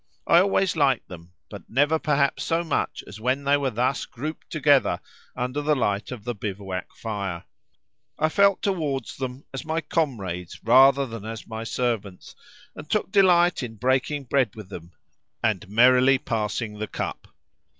I always liked them, but never perhaps so much as when they were thus grouped together under the light of the bivouac fire. I felt towards them as my comrades rather than as my servants, and took delight in breaking bread with them, and merrily passing the cup.